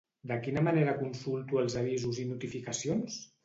De quina manera consulto els avisos i notificacions?